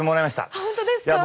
ああ本当ですか。